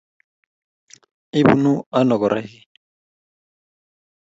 Ibunu ano korak ii?